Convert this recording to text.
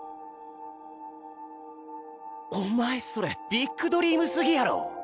お前それビッグドリームすぎやろ。